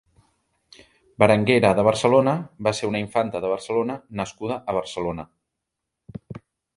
Berenguera de Barcelona va ser una infanta de Barcelona nascuda a Barcelona.